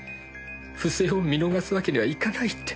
不正を見逃すわけにはいかないって。